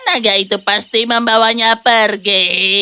tenaga itu pasti membawanya pergi